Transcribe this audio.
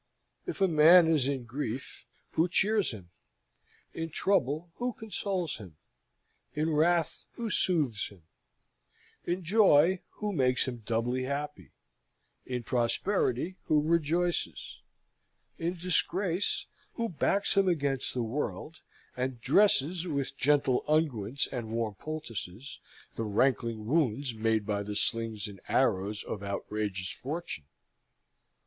If a man is in grief, who cheers him; in trouble, who consoles him; in wrath, who soothes him; in joy, who makes him doubly happy; in prosperity, who rejoices; in disgrace, who backs him against the world, and dresses with gentle unguents and warm poultices the rankling wounds made by the slings and arrows of outrageous Fortune?